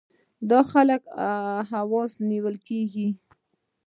دا خلک خواص نومول کېږي.